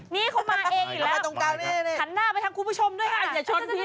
นี่เค้ามาเองเลยพี่